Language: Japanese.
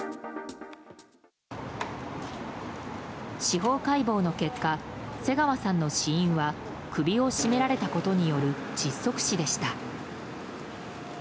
司法解剖の結果瀬川さんの死因は首を絞められたことによる窒息死でした。